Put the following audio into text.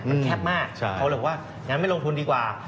มันแคบมากเขาเรียกว่าอย่างนั้นไม่ลงทุนดีกว่า